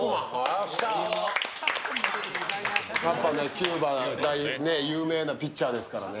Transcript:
キューバの有名なピッチャーですからね